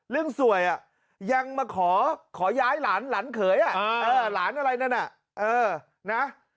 เรื่องสวยยังมาขอย้ายหลานเขยหลานอะไรนั้น